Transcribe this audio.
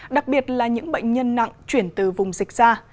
đặc biệt là những bệnh nhân nặng chuyển từ vùng dịch ra